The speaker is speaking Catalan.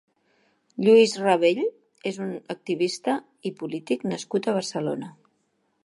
Lluís Rabell és un activista i polític nascut a Barcelona.